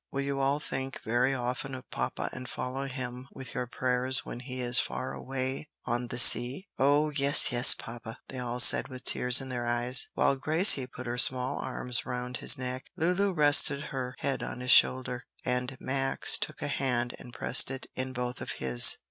Will you all think very often of papa and follow him with your prayers when he is far away on the sea?" "Oh, yes, yes, papa!" they all said with tears in their eyes, while Gracie put her small arms round his neck. Lulu rested her head on his shoulder, and Max took a hand and pressed it in both of his.